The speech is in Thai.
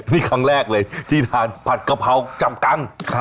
นี่ครั้งแรกเลยที่ทานผัดกะเพราจับกัง